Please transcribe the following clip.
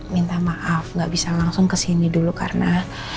minta maaf nggak bisa langsung kesini dulu karena